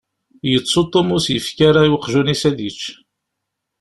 Yettu Tom ur s-yefki ara i weqjun-is ad yečč.